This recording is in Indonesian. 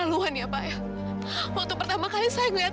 saya peringatkan sekali lagi